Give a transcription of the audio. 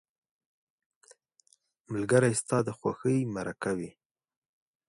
ملګری ستا د خوښۍ مرکه وي